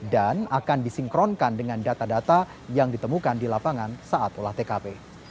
dan akan disinkronkan dengan data data yang ditemukan di lapangan saat olah tkp